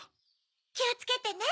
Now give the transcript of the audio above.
きをつけてね。